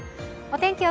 お天気